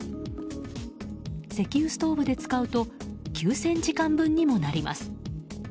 石油ストーブで使うと９０００時間分にもなります。